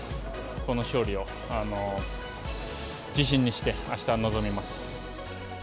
この勝利を自信にして、あしたに臨みます。